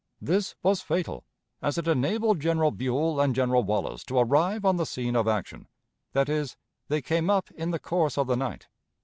This was fatal, as it enabled General Buell and General Wallace to arrive on the scene of action; that is, they came up in the course of the night.